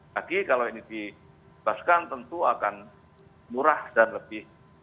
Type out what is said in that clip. tapi kalau ini dikebaskan tentu akan murah dan lebih